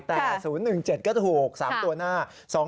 แต่๐๑๗ก็ถูก๓ตัวหน้า